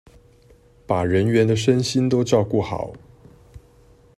把人員的身心都照顧好